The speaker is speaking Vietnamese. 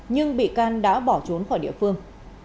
nhưng bị can đã bỏ trốn khỏi địa phương